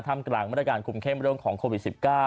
ท่ามการรับการคุมเข้มเรื่องของโควิด๑๙